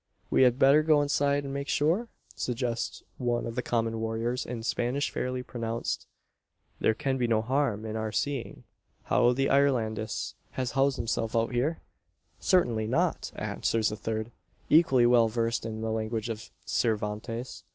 "We had better go inside, and make sure?" suggests one of the common warriors, in Spanish fairly pronounced. "There can be no harm in our seeing how the Irlandes has housed himself out here?" "Certainly not!" answers a third, equally well versed in the language of Cervantes.